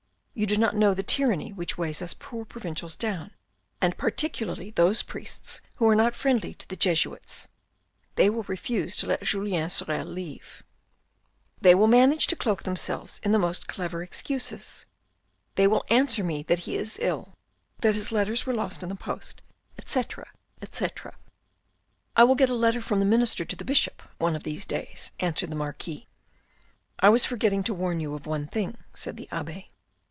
You do not know the tyranny which weighs us poor provincials down, and particularly those priests who are not friendly to the Jesuits. They will refuse to let Julien Sorel leave. They will manage to cloak themselves in the most clever excuses. They will answer me that he is ill, that his letters were lost in the post, etc., etc." " I will get a letter from the minister to the Bishop, one of these days," answered the Marquis. " I was forgetting to warn you of one thing," said the abbe.